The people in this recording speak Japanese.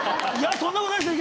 そんなことはないですね